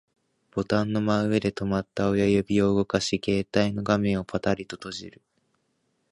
ボタンの真上で止まった親指を動かし、携帯の画面をパタリと閉じる